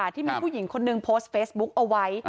ที่มีผู้หญิงคนนึงโพสต์เฟซบุ๊กเอาไว้